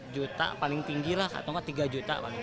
lima juta paling tinggi lah kak atau tiga juta paling tinggi